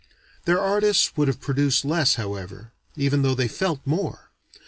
Their artists would have produced less however, even though they felt more.